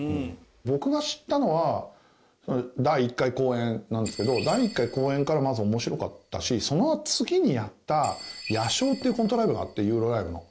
僕が知ったのは第１回公演なんですけど第１回公演からまず面白かったしその次にやった『夜衝』っていうコントライブがあって有料ライブの。